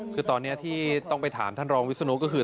คือตอนนี้ที่ต้องไปถามท่านรองวิศนุก็คือ